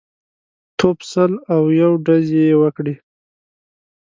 توپ سل او یو ډزې یې وکړې.